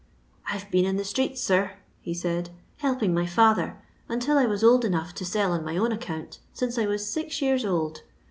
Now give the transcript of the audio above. " I 'to been in the streets, sir," he said, " help ing my £uher, until I was old enough to sell on my own accoant, since I was six years old.